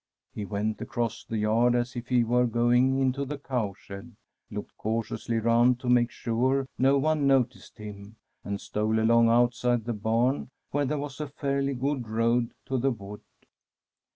He went across the yard as if he were going into the cowshed, looked cautiously round to make sure no one noticed him, and stole along outside the barn where there was a fairly good road to the wood.